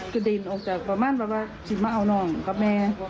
เขาดิ้นออกจากประมาณว่าเนี้ยจะเอาน้องครูกับแม่